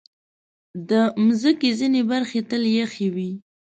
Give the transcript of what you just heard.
د مځکې ځینې برخې تل یخې وي.